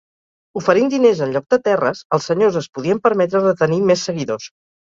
Oferint diners en lloc de terres, els senyors es podien permetre retenir més seguidors.